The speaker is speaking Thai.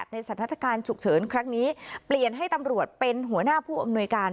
ในสถานการณ์ฉุกเฉินครั้งนี้เปลี่ยนให้ตำรวจเป็นหัวหน้าผู้อำนวยการ